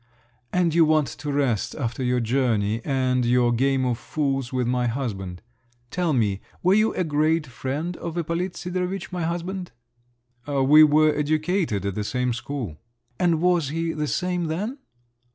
"And you want to rest after your journey, and your game of 'fools' with my husband. Tell me, were you a great friend of Ippolit Sidorovitch, my husband?" "We were educated at the same school." "And was he the same then?"